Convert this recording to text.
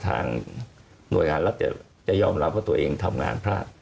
หน่วยงานรัฐจะยอมรับว่าตัวเองทำงานพลาด